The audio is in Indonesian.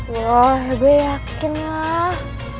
wah gue yakin lah